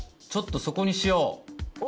ちょっとそこにしよう。